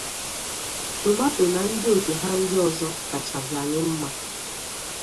Tomato na ndị otu ha ndị ọzọ kachazị anyị mma